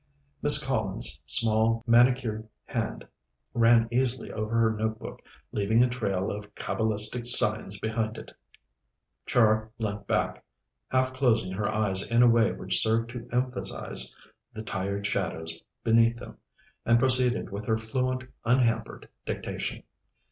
Miss Collins's small manicured hand ran easily over her notebook, leaving a trail of cabalistic signs behind it. Char leant back, half closing her eyes in a way which served to emphasize the tired shadows beneath them, and proceeded with her fluent, unhampered dictation.